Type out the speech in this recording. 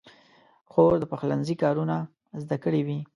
خور د پخلنځي کارونه زده کړي وي.